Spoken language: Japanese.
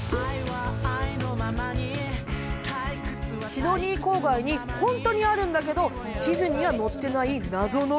シドニー郊外に本当にあるんだけど地図には載ってない謎の国。